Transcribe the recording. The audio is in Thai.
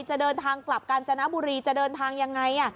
จะเดินทางกลับกาญจนบุรีจะเดินทางยังไง